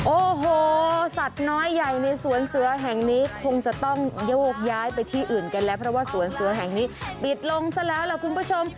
โอ้โหสัตว์น้อยใหญ่ในสวนเสือแห่งนี้คงจะต้องโยกย้ายไปที่อื่นกันแล้วเพราะว่าสวนเสือแห่งนี้ปิดลงซะแล้วล่ะคุณผู้ชม